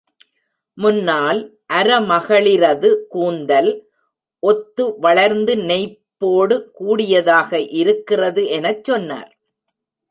முன்னால் அரமகளிரது கூந்தல், ஒத்து வளர்ந்து நெய்ப்போடு கூடியதாக இருக்கிறது எனச் சொன்னார்.